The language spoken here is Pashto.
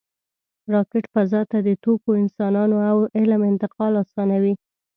راکټ فضا ته د توکو، انسانانو او علم انتقال آسانوي